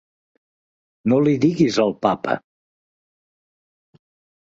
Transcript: No li diguis al papa.